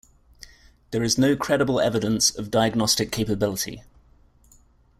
There is no credible evidence of diagnostic capability.